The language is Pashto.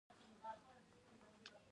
د نارينه مسجد ته تلل لازمي دي.